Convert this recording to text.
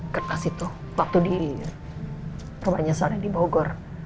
kekas itu waktu di rumahnya sal yang di bogor